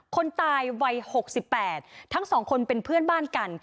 คนตายวัย๖๘ทั้งสองคนเป็นเพื่อนบ้านกัน